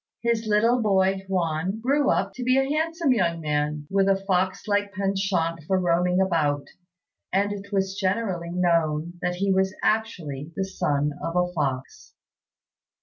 His little boy, Huan, grew up to be a handsome young man, with a fox like penchant for roaming about; and it was generally known that he was actually the son of a fox.